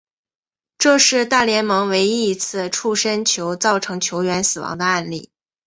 这是大联盟唯一一次触身球造成球员死亡的案例。